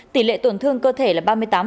tỷ lệ tổn thương cơ thể là ba mươi tám